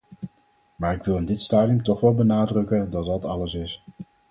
Maar ik wil in dit stadium toch wel benadrukken dat dat alles is.